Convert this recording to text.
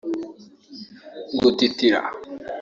gutitira